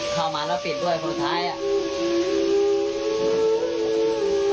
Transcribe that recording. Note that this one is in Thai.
เข้ามาแล้วปิดด้วยคนท้ายอ่ะ